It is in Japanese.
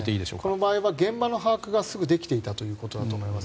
この場合は現場の把握がすぐできていたということだと思います。